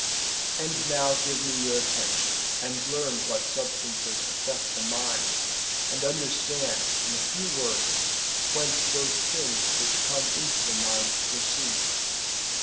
And now give me your attention, and learn what substances affect the mind ; and understand, in a few words, whence those things which come into the mind proceed.